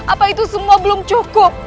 apa itu semua belum cukup